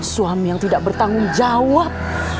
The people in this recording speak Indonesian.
suami yang tidak bertanggung jawab